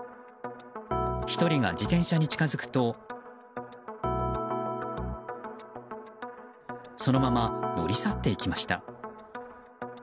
１人が自転車に近づくとそのまま乗り去っていきました。